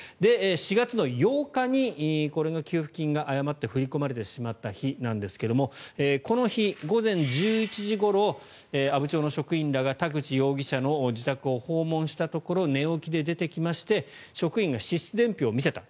４月８日にこれが給付金が誤って振り込まれてしまった日ですがこの日、午前１１時ごろ阿武町の職員らが田口容疑者の自宅を訪問したところ寝起きで出てきまして職員が支出伝票を見せた。